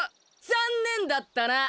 残念だったな。